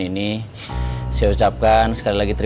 aku akan menganggap